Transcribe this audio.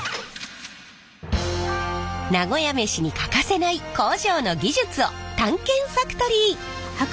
名古屋めしに欠かせない工場の技術を探検ファクトリー！